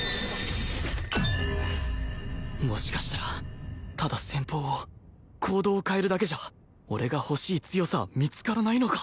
もしかしたらただ戦法を行動を変えるだけじゃ俺が欲しい強さは見つからないのか？